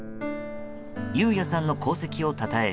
雄也さんの功績をたたえ